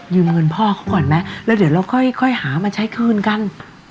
เงินพ่อเขาก่อนไหมแล้วเดี๋ยวเราค่อยหามาใช้คืนกัน